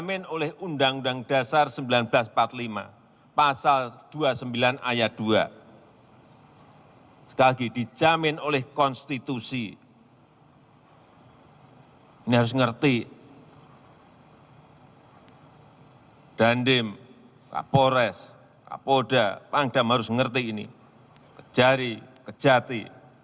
ini harus ngerti dandim kapolres kapoda pandem harus ngerti ini kejari kejati